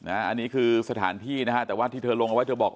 อันนี้คือสถานที่นะฮะแต่ว่าที่เธอลงเอาไว้เธอบอก